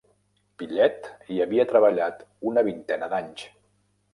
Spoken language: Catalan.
Pillet hi havia treballat una vintena d'anys.